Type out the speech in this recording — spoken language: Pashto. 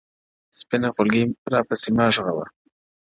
سپينه خولگۍ راپسي مه ږغوه”